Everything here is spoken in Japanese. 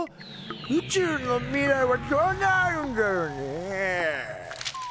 宇宙の未来はどうなるんだろうね？